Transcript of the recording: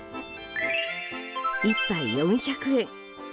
１杯４００円。